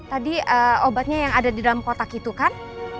tadi obatnya yang ada di dalam kotak itu kan